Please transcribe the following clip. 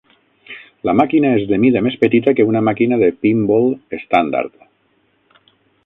La màquina és de mida més petita que una màquina de pin-ball estàndard.